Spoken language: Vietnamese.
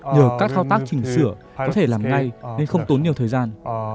nhờ các thao tác chỉnh sửa có thể làm ngay nên không tốn nhiều thời gian